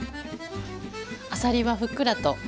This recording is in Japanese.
あさりはふっくらと。